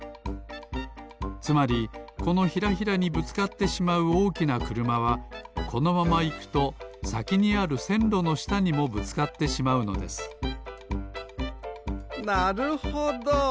つまりこのヒラヒラにぶつかってしまうおおきなくるまはこのままいくとさきにあるせんろのしたにもぶつかってしまうのですなるほど。